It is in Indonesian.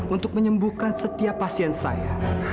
untuk menyembuhkan setiap pasien saya